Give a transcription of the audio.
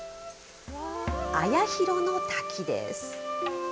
綾広の滝です。